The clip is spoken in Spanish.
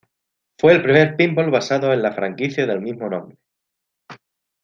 Fue el primer pinball basado en la franquicia del mismo nombre.